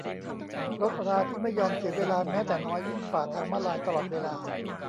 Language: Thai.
รถราที่ไม่ยอมเสียเวลาแม้แต่น้อย วิ่งฝ่าทางม้าลายตลอดเวลา